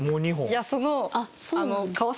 いやその。